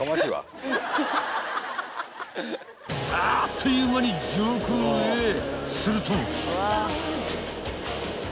［あっという間に上空へすると］